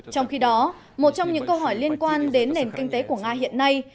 trong khi đó một trong những câu hỏi liên quan đến nền kinh tế của nga hiện nay